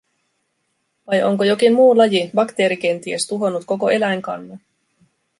Vai onko jokin muu laji, bakteeri kenties, tuhonnut koko eläinkannan?